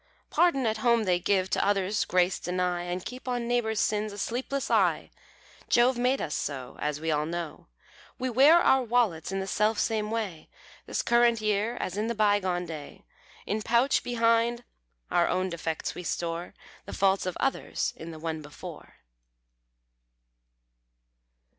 Pardon at home they give, to others grace deny, And keep on neighbours' sins a sleepless eye. Jove made us so, As we all know, We wear our Wallets in the self same way This current year, as in the bye gone day: In pouch behind our own defects we store, The faults of others in the one before.